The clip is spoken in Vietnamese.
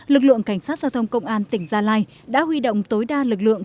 lực lượng cảnh sát giao thông công an tỉnh gia lai đã huy động tối đa lực lượng